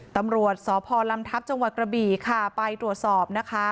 ตำรวจสพลำทัพจังหวัดกระบี่ค่ะไปตรวจสอบนะคะ